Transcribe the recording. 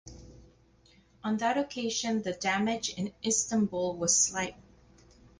On that occasion the damage in Istanbul was slight.